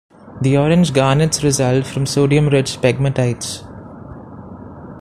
The orange garnets result from sodium-rich pegmatites.